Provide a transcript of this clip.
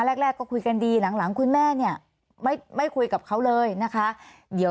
แรกก็คุยกันดีหลังคุณแม่เนี่ยไม่คุยกับเขาเลยนะคะเดี๋ยว